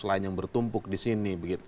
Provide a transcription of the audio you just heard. selain yang bertumpuk di sini